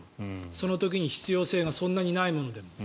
その時に必要性がそんなにないものでも。